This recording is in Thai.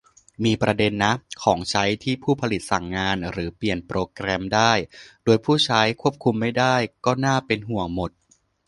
มีประเด็นนะ ของใช้ที่ผู้ผลิตสั่งงานหรือเปลี่ยนโปรแกรมได้ โดยผู้ใช้ควบคุมไม่ได้ ก็น่าเป็นห่วงหมด